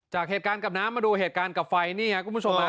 จากเหตุการณ์กับน้ำมาดูเหตุการณ์กับไฟนี่ครับคุณผู้ชมฮะ